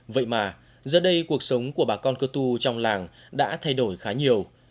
vậy mà giờ đây cuộc sống của bà con cơ tu trong làng đã thay đổi khá nhiều